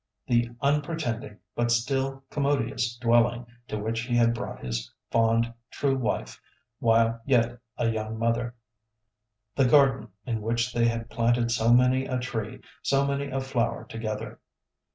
The unpretending, but still commodious dwelling to which he had brought his fond, true wife, while yet a young mother. The garden in which they had planted so many a tree, so many a flower together.